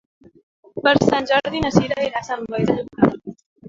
Per Sant Jordi na Sira irà a Sant Boi de Llobregat.